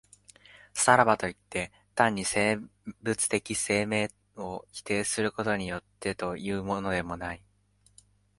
さらばといって、単に生物的生命を否定することによってというのでもない。